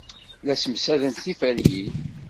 La ssemsadent tiferyin.